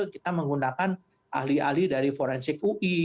kita menggunakan ahli ahli dari forensik ui